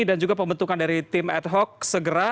dan juga pembentukan dari tim ad hoc segera